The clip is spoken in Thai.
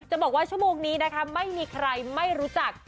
บอกว่าชั่วโมงนี้นะคะไม่มีใครไม่รู้จัก